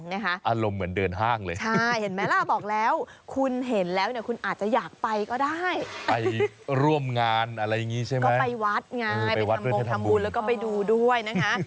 อารมณ์เหมือนเดินห้างเลย